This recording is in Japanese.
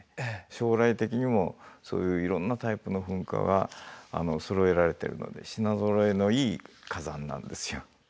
将来的にもそういういろんなタイプの噴火がそろえられているので品ぞろえのいい火山なんですよ。